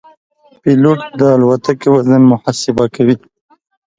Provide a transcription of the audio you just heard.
پیلوټ د الوتکې وزن محاسبه کوي.